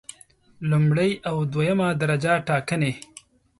لومړی او دویمه درجه ټاکنې